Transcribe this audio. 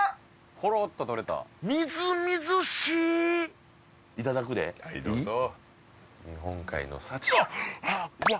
ほろっととれたみずみずしいいただくではいどうぞ日本海の幸はっやっ